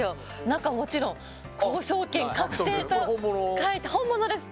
中はもちろん、「交渉権確定」と書いた本物です。